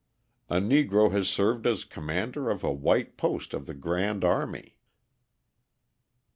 A Negro has served as commander of a white post of the Grand Army.